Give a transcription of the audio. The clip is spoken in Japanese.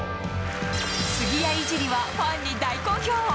杉谷いじりはファンに大好評。